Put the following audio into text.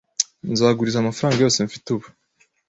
Nzaguriza amafaranga yose mfite ubu.